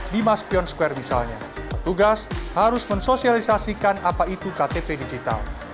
di mas pion square misalnya tugas harus mensosialisasikan apa itu ktp digital